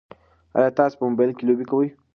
ایا تاسي په موبایل کې لوبې کوئ؟